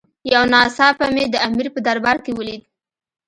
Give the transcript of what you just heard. یو ناڅاپه مې د امیر په دربار کې ولید.